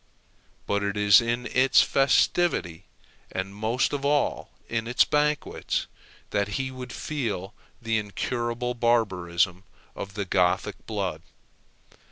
But it is in its festivity, and most of all in its banquets, that he would feel the incurable barbarism of the Gothic blood.